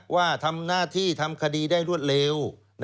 ว่าทำหน้าที่ทำคดีได้รวดเร็ว